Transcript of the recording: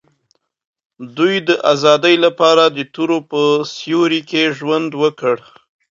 دوی د آزادۍ لپاره د تورو په سیوري کې ژوند وکړ.